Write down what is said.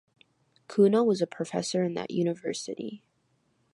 Kuno was a professor in that university.